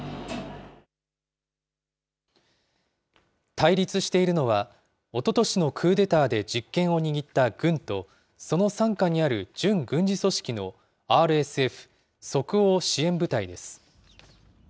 対立しているのは、おととしのクーデターで実権を握った軍と、その傘下にある準軍事組織のＲＳＦ・即応支援部隊です。